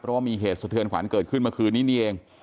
เพราะว่ามีเหตุสะเทือนขวัญเกิดขึ้นเมื่อคืนนี้นี่เอง